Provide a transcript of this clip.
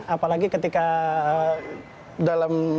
apalagi ketika dalam